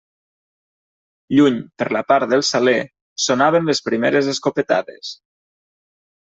Lluny, per la part del Saler, sonaven les primeres escopetades.